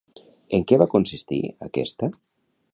En què va consistir aquesta?